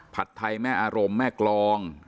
ไทยแม่อารมณ์แม่กรอง